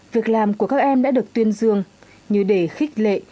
việc làm của các em đã được tuyên dương như để khích lệ